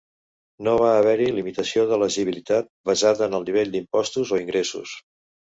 No va haver-hi limitació d'elegibilitat basada en el nivell d'impostos o ingressos.